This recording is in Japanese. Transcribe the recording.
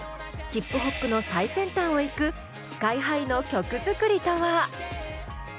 ヒップホップの最先端を行くＳＫＹ−ＨＩの曲作りとは！？